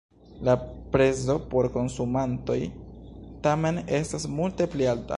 La prezo por konsumantoj tamen estas multe pli alta.